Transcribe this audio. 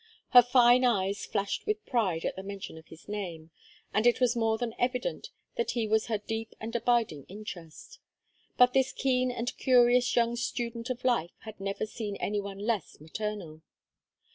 Her fine eyes flashed with pride at the mention of his name, and it was more than evident that he was her deep and abiding interest; but this keen and curious young student of life had never seen any one less maternal.